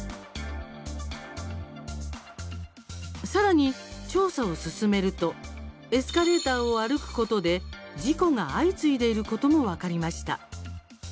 さらに、調査を進めるとエスカレーターを歩くことで事故が相次いでいることも分かりました。